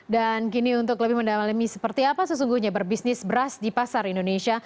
dan gini untuk lebih mendalam alami seperti apa sesungguhnya berbisnis beras di pasar indonesia